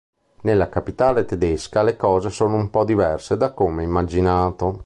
Nella capitale tedesca le cose sono un po' diverse da come immaginato.